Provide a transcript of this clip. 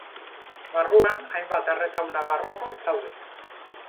Barruan, hainbat erretaula barroko daude.